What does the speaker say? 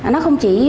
nó không chỉ